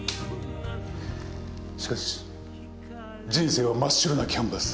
しかし人生は真っ白なキャンバス。